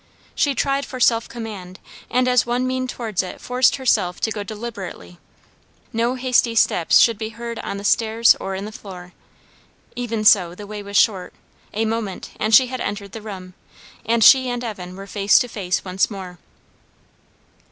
She tried for self command, and as one mean towards it forced herself to go deliberately. No hasty steps should be heard on the stairs or in the floor. Even so, the way was short; a moment, and she had entered the room, and she and Evan were face to face once more.